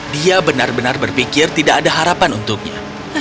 dia benar benar berpikir tidak ada harapan untuknya